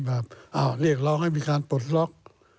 อ้าวเรียกเราให้มีการปลดล็อค